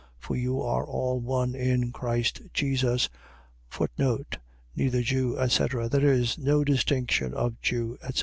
For you are all one in Christ Jesus. Neither Jew, etc. . .That is, no distinction of Jew, etc.